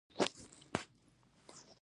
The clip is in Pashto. آیا د بدن جوړونې کلبونه ډیر شوي؟